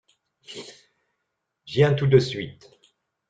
Viens tout de suite.